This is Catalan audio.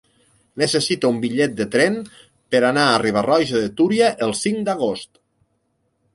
Necessito un bitllet de tren per anar a Riba-roja de Túria el cinc d'agost.